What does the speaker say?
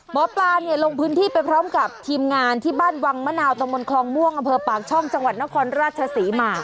หมอปลาเนี่ยลงพื้นที่ไปพร้อมกับทีมงานที่บ้านวังมะนาวตะมนตคลองม่วงอำเภอปากช่องจังหวัดนครราชศรีมา